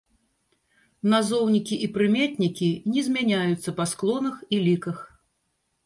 Назоўнікі і прыметнікі не змяняюцца па склонах і ліках.